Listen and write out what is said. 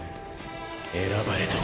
「選ばれた」